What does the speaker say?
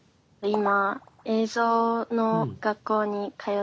今。